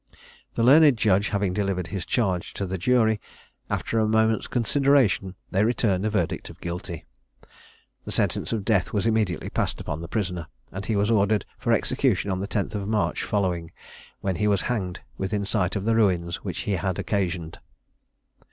The learned judge having delivered his charge to the jury, after a moment's consideration, they returned a verdict of Guilty. The sentence of death was immediately passed upon the prisoner, and he was ordered for execution on the 10th of March following, when he was hanged within sight of the ruins which he had occasioned.